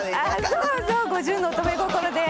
そうそう５０の乙女心で。